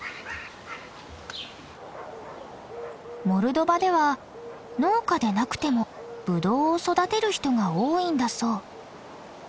モルドバでは農家でなくてもブドウを育てる人が多いんだそう。